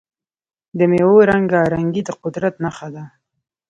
د میوو رنګارنګي د قدرت نښه ده.